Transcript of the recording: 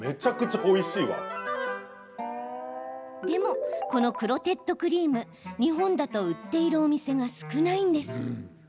でも、このクロテッドクリーム日本だと売っているお店が少ないんです。